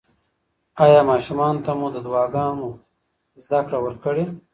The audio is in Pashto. ایا ماشومانو ته مو د دعاګانو زده کړه ورکړې؟